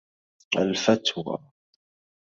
الفتوى